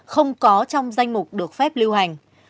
không có trong danh mục được phép lưu hành